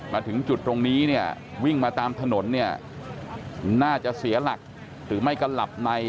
มาถึงจุดตรงนี้วิ่งมาตามถนนน่าจะเสียหลักหรือไม่กระหลับใน